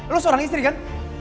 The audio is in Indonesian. lo seorang istri kan